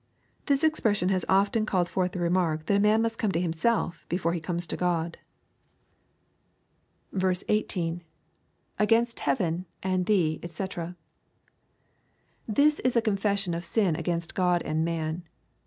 ] This expression has often called forth the remark that a man must come to himself, before he comes to GkxL LUKE, CHAP. XV. 187 18. — [Against heaven and thee^ Sc] This is a confession of sin against Grod and man.